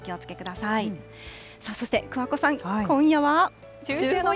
さあそして桑子さん、今夜は十五夜。